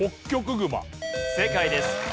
正解です。